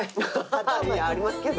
ありますけど。